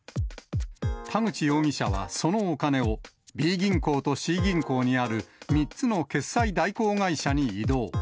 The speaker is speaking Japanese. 田口容疑者はそのお金を、Ｂ銀行とＣ銀行にある３つの決済代行会社に移動。